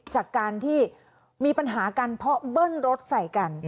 จากการที่มีปัญหากันเพราะเบิ้ลรถใส่กัน